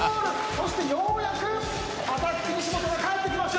そしてようやくアタック西本が帰ってきました。